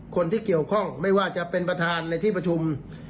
คนที่เกี่ยวข้องไม่ว่าจะเป็นประธานในที่ประชุม